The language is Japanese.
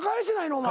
お前。